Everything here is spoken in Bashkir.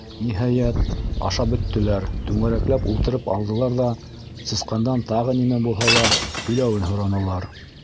Ниһайәт, ашап бөттөләр, түңәрәкләп ултырып алдылар ҙа Сысҡандан тағы нимә булһа ла һөйләүен һоранылар.